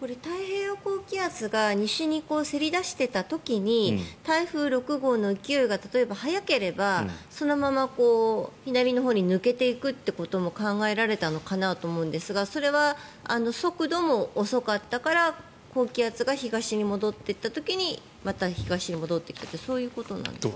これ、太平洋高気圧が西にせり出していた時に台風６号の勢いが速ければそのまま左のほうに抜けていくことも考えられたのかなと思うんですがそれは速度も遅かったから高気圧が東に戻っていった時にまた東に戻ったとそういうことなんですか。